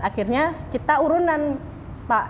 akhirnya kita urunan pak